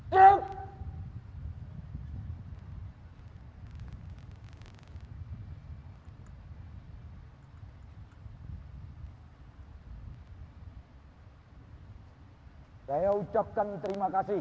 hai saya ucapkan terima kasih